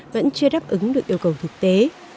vẫn chưa đáp ứng được yêu cầu thực tế